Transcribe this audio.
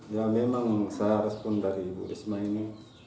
ya memang saya respon dari ibu risma ini